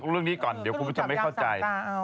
เรื่องนี้ก่อนเดี๋ยวคุณผู้ชมไม่เข้าใจ